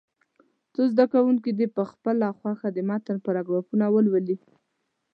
څو زده کوونکي دې په خپله خوښه د متن پاراګرافونه ولولي.